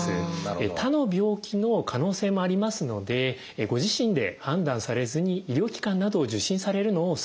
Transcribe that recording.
他の病気の可能性もありますのでご自身で判断されずに医療機関などを受診されるのをおすすめします。